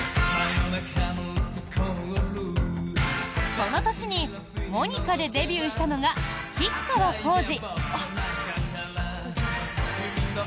この年に「モニカ」でデビューしたのが吉川晃司！